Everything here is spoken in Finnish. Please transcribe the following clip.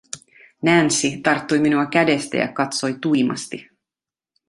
Nancy tarttui minua kädestä ja katsoi tuimasti.